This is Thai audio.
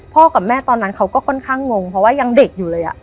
กับแม่ตอนนั้นเขาก็ค่อนข้างงงเพราะว่ายังเด็กอยู่เลย